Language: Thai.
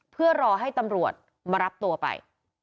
เพื่อรอให้ตำรวจมารับตัวไป